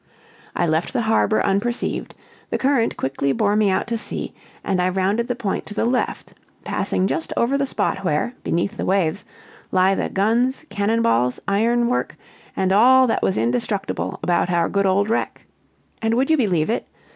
"I left the harbor unperceived, the current quickly bore me out to sea, and I rounded the point to the left, passing just over the spot where, beneath the waves, lie the guns, cannon balls, ironwork, and all that was indestructible about our good old wreck. And would you believe it?